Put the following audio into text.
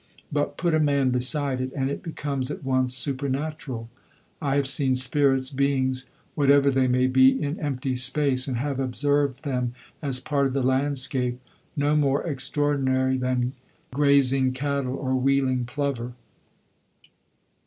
But put a man beside it and it becomes at once supernatural. I have seen spirits, beings, whatever they may be, in empty space, and have observed them as part of the landscape, no more extraordinary than grazing cattle or wheeling plover.